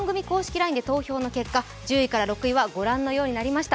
ＬＩＮＥで投票の結果１０位から６位はご覧のようになりました。